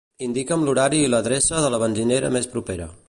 Indica'm l'horari i l'adreça de la benzinera més propera.